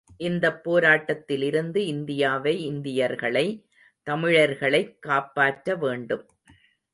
இந்தப் போராட்டத்திலிருந்து இந்தியாவை இந்தியர்களை தமிழர்களைக் காப்பாற்ற வேண்டும்.